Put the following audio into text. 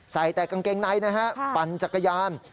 ใส่แต่กางเกงในนะฮะปั่นจักรยาน